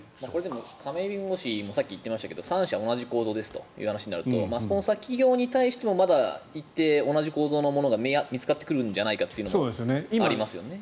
亀井弁護士もさっき言ってましたが３社同じ構造ですという話になるとスポンサー企業に対しても同じ構造のものが見つかってくるんじゃないかというのがありますよね。